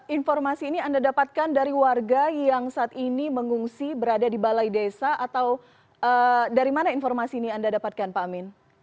informasi ini anda dapatkan dari warga yang saat ini mengungsi berada di balai desa atau dari mana informasi ini anda dapatkan pak amin